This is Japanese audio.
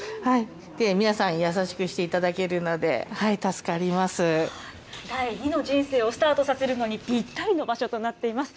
皆さん、優しくしていただけるの第二の人生をスタートさせるのにぴったりの場所となっています。